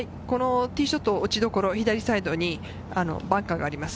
ティーショットの落ちどころ、左サイドにバンカーがあります。